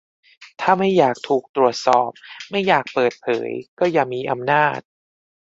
ถ้าไม่อยากถูกตรวจสอบ ไม่อยากเปิดเผย ก็อย่ามีอำนาจ